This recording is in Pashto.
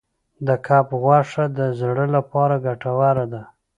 د کب غوښه د زړه لپاره ګټوره ده.